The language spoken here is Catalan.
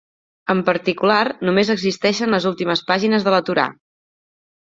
En particular, només existeixen les últimes pàgines de la Torà.